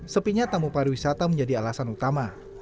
sepinya tamu pariwisata menjadi alasan utama